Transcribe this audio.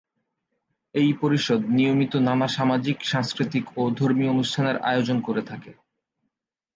এই পরিষদ নিয়মিত নানা সামাজিক, সাংস্কৃতিক ও ধর্মীয় অনুষ্ঠানের আয়োজন করে থাকে।